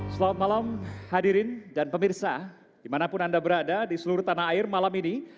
selamat malam hadirin dan pemirsa dimanapun anda berada di seluruh tanah air malam ini